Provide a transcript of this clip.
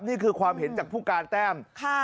นี่คือความเห็นจากผู้การแต้ม